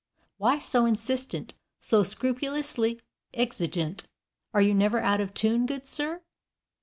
Why so insistent, so scrupulously exigent? Are you never out of tune, good sir?